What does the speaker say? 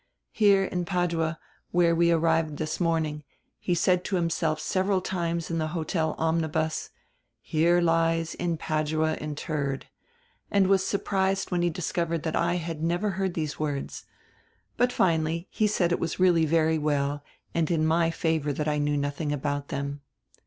Here in Padua, where we arrived tiiis morning, he said to himself several times in the hotel omnibus, 'He lies in Padua interred,' and was surprised when he discovered tiiat I had never heard diese words. But finally he said it was really very well and in my favor diat I knew nothing about diem.